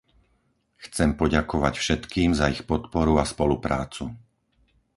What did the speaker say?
Chcem poďakovať všetkým za ich podporu a spoluprácu.